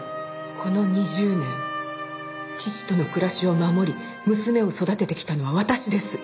この２０年父との暮らしを守り娘を育ててきたのは私です。